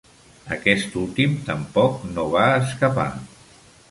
Aquest últim tampoc no va escapar.